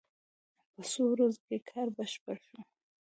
په څو ورځو کې کار بشپړ شو.